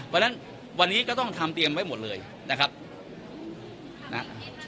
เพราะฉะนั้นวันนี้ก็ต้องทำเตรียมไว้หมดเลยนะครับนะ